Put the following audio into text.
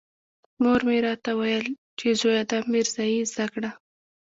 مور مې راته ويل چې زويه دا ميرزايي زده کړه.